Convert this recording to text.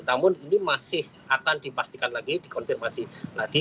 namun ini masih akan dipastikan lagi dikonfirmasi lagi